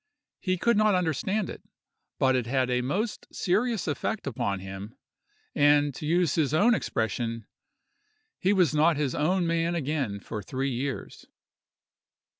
He could not understand it, but it had a most serious effect upon him, and, to use his own expression, he was not his own man again for three years.